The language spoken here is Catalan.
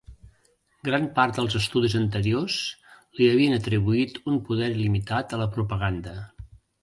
Gran part dels estudis anteriors, li havien atribuït un poder il·limitat a la propaganda.